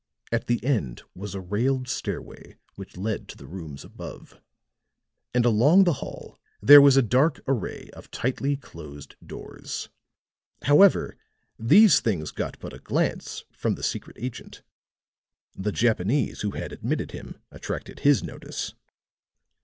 At the end was a railed stairway which led to the rooms above; and along the hall there was a dark array of tightly closed doors. However, these things got but a glance from the secret agent. The Japanese who had admitted him attracted his notice.